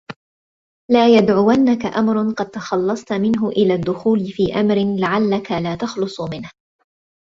لَا يَدْعُوَنَّكَ أَمْرٌ قَدْ تَخَلَّصْت مِنْهُ إلَى الدُّخُولِ فِي أَمْرٍ لَعَلَّك لَا تَخْلُصُ مِنْهُ